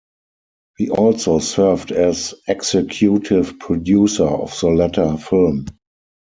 He also served as executive producer of the latter film.